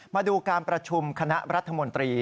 มาดูการประชุมคณะรัฐมนตรี